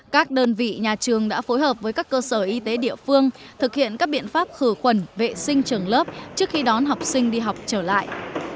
các đơn vị nhà trường đã phối hợp với các cơ sở y tế địa phương thực hiện các biện pháp khử khuẩn vệ sinh trường lớp trước khi đón học sinh đi học trở lại